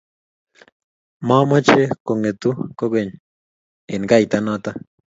Mameche kung'etu kukeny eng' kaita noto